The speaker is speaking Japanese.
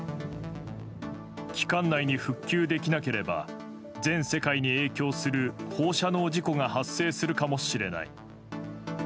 期間内に復旧できなければ全世界に影響する放射能事故が発生するかもしれない。